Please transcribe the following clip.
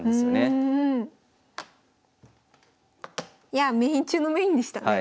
いやあメイン中のメインでしたね。